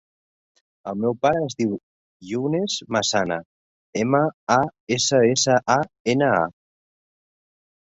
El meu pare es diu Younes Massana: ema, a, essa, essa, a, ena, a.